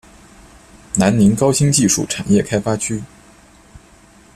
南宁高新技术产业开发区